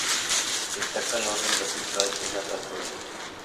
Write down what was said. Destaca el orden vertical en las alturas.